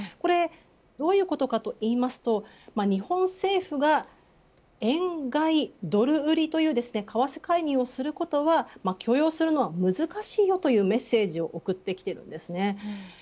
どういうことかというと日本政府が円買いドル売りという為替介入をすることは許容するのが難しいというメッセージを送ってきています。